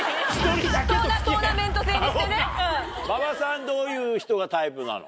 馬場さんどういう人がタイプなの？